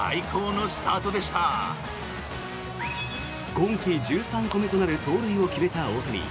今季１３個目となる盗塁を決めた大谷。